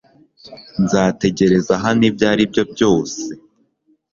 Nzategereza hano ibyo ari byo byose